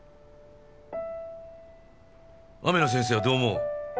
雨野先生はどう思う？